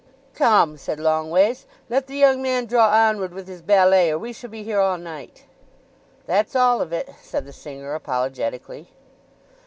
"Come," said Longways; "let the young man draw onward with his ballet, or we shall be here all night." "That's all of it," said the singer apologetically.